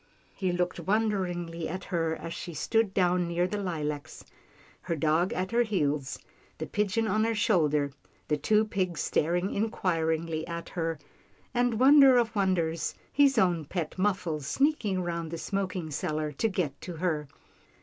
He looked wonderingly at her as she stood down near the lilacs, her dogs at her heels, the pigeon on her shoulder, the two pigs staring inquiringly at her, and, wonder of wonders, his own pet Muffles sneak ing round the smoking cellar to get to her.